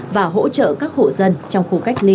và hỗ trợ các hộ dân trong khu cách ly